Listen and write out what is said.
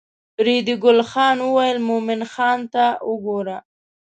ریډي ګل خان وویل مومن خان ته وګوره.